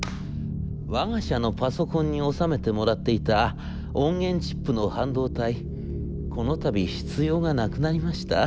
『わが社のパソコンに納めてもらっていた音源チップの半導体この度必要がなくなりました。